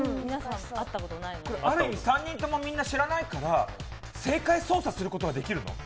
ある意味、３人ともみんな知らないから正解、操作することできるの？